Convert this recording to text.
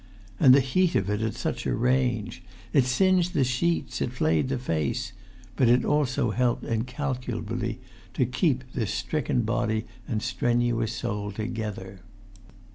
And the heat of it at such a range! It singed the sheets; it flayed the face; but it also helped in[Pg 220]calculably to keep this stricken body and this strenuous soul together.